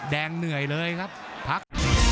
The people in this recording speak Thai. เหนื่อยเลยครับพัก